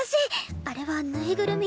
あれはぬいぐるみ